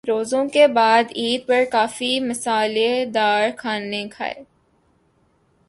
روزوں کے بعد عید پر کافی مصالحہ دار کھانے کھائے۔